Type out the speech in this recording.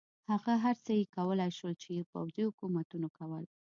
هر هغه څه یې کولای شول چې پوځي حکومتونو کول.